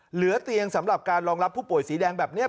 เหลือเตียงสำหรับการรองรับผู้ป่วยสีแดงแบบนี้